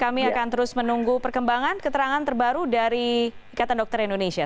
kami akan terus menunggu perkembangan keterangan terbaru dari ikatan dokter indonesia